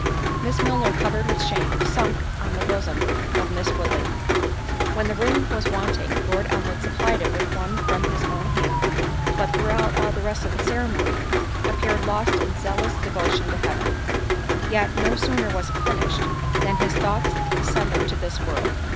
Miss Milner, covered with shame, sunk on the bosom of Miss Woodley. When the ring was wanting, Lord Elmwood supplied it with one from his own hand, but throughout all the rest of the ceremony, appeared lost in zealous devotion to Heaven. Yet, no sooner was it finished, than his thoughts descended to this world.